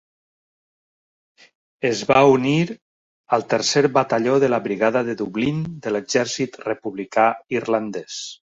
Es va unir al Tercer Batalló de la Brigada de Dublín de l'Exèrcit Republicà Irlandès.